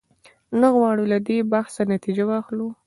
نه غواړو له دې بحثه نتیجه واخلو.